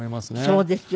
そうですよね。